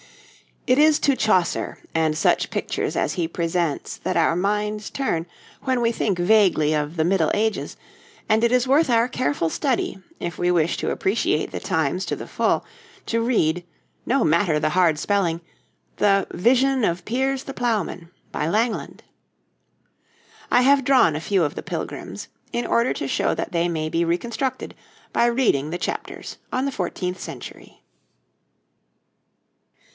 It is to Chaucer, and such pictures as he presents, that our minds turn when we think vaguely of the Middle Ages, and it is worth our careful study, if we wish to appreciate the times to the full, to read, no matter the hard spelling, the 'Vision of Piers the Plowman,' by Langland. I have drawn a few of the Pilgrims, in order to show that they may be reconstructed by reading the chapters on the fourteenth century.